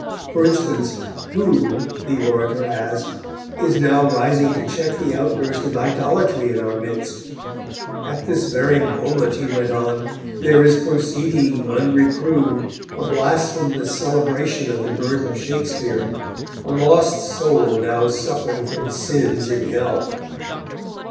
For instance, who, the orator asked, is now rising to check the outburst of idolatry in our midst? 'At this very moment,' he went on, 'there is proceeding, unreproved, a blasphemous celebration of the birth of Shakespeare, a lost soul now suffering for his sins in hell!'